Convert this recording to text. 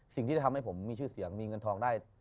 สิ่งที่จะทำให้ผมมีชื่อเสียงมีเงินทองได้